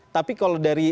tapi kalau dari